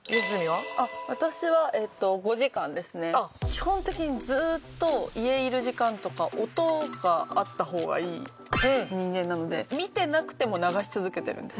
基本的にずーっと家いる時間とか音があった方がいい人間なので見てなくても流し続けてるんです。